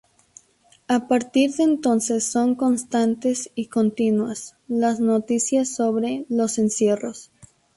A partir de entonces son constantes y continuas las noticias sobre los encierros.